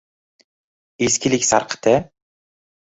— Eskilik sarqiti?